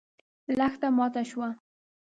لښته ماته شوه.